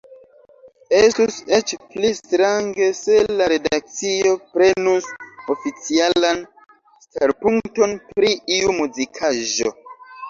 Estus eĉ pli strange se la redakcio prenus oficialan starpunkton pri iu muzikaĵo.